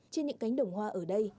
trên những cánh đồng hoa ở đây